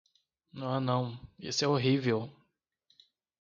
Oh não, isso é horrível!